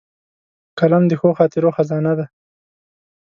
قلم د ښو خاطرو خزانه ده